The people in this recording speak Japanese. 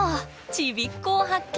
ちびっこを発見！